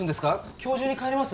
今日中に帰れます？